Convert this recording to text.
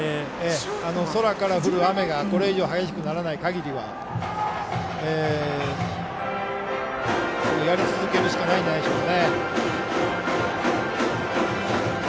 空から降る雨がこれ以上激しくならない限りはやり続けるしかないんじゃないでしょうか。